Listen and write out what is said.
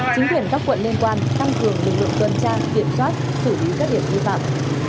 chính quyền các quận liên quan tăng cường lực lượng tuần tra kiểm soát xử lý các điểm vi phạm